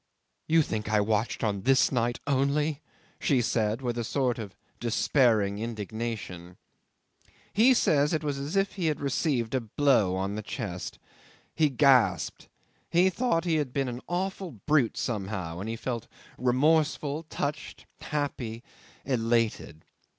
"You think I watched on this night only!" she said, with a sort of despairing indignation. 'He says it was as if he had received a blow on the chest. He gasped. He thought he had been an awful brute somehow, and he felt remorseful, touched, happy, elated.